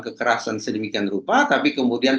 kekerasan sedemikian rupa tapi kemudian